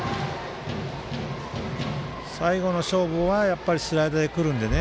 最後の勝負は、やっぱりスライダーで来るのでね。